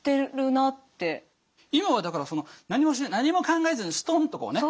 今はだからその何もしない何も考えずにストンとこうね。